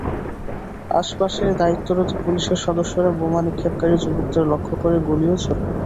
আশপাশে দায়িত্বরত পুলিশের সদস্যরা বোমা নিক্ষেপকারী যুবকদের লক্ষ্য করে গুলিও ছোড়েন।